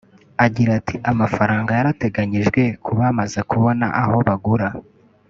Agira ati “Amafaranga yarateganyijwe ku bamaze kubona aho bagura